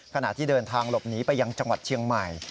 ขณะที่เดินทางหลบหนีไปยังจังหวัดเชียงใหม่